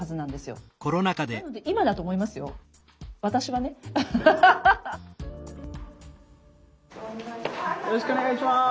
よろしくお願いします。